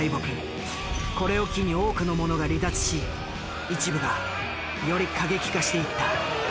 これを機に多くの者が離脱し一部がより過激化していった。